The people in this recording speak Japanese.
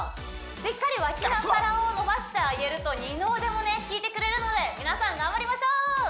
しっかり脇腹を伸ばしてあげると二の腕もねきいてくれるので皆さん頑張りましょう！